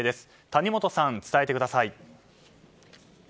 谷元さん、伝えてください。